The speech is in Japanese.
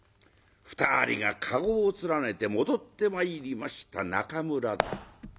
２人が駕籠を連ねて戻ってまいりました中村座。